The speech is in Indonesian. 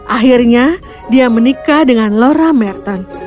akhirnya dia menikah dengan laura merton